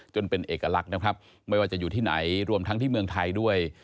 จนเป็นเอกลักษณ์นะครับไม่ว่าจะอยู่ที่ไหนรวมทั้งที่เมืองไทยด้วย